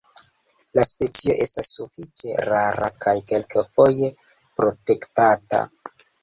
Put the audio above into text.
La specio estas sufiĉe rara kaj kelkfoje protektata.